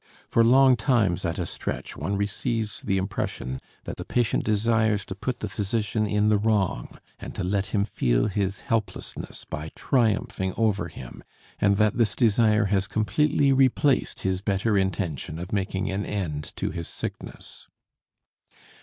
For long times at a stretch one receives the impression that the patient desires to put the physician in the wrong and to let him feel his helplessness by triumphing over him, and that this desire has completely replaced his better intention of making an end to his sickness.